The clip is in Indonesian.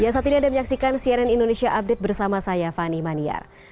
saat ini anda menyaksikan cnn indonesia update bersama saya fani maniar